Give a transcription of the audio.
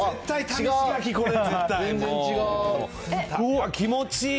わー、気持ちいい。